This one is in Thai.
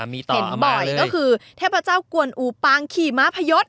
เห็นบ่อยก็คือเทพเจ้ากวนอูปางขี่ม้าพยศ